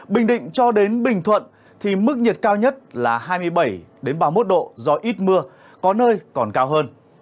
bình định cho đến bình thuận thì mức nhiệt cao nhất là hai mươi bảy ba mươi một độ do ít mưa có nơi còn cao hơn